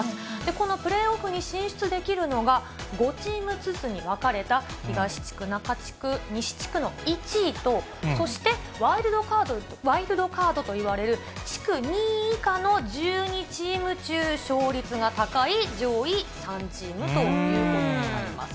このプレーオフに進出できるのが、５チームずつに分かれた東地区、中地区、西地区の１位と、そして、ワイルドカードといわれる、地区２位以下の１２チーム中、勝率が高い上位３チームということになります。